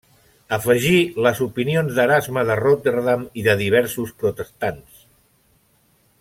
Afegí les opinions d'Erasme de Rotterdam i de diversos protestants.